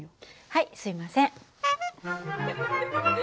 はいすみません。